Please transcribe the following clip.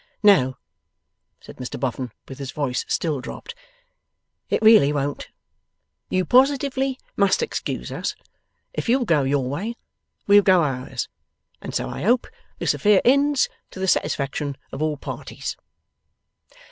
'No,' said Mr Boffin, with his voice still dropped, 'it really won't. You positively must excuse us. If you'll go your way, we'll go ours, and so I hope this affair ends to the satisfaction of all parties.